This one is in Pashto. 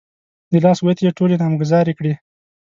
د لاس ګوتې يې ټولې نامګذاري کړې.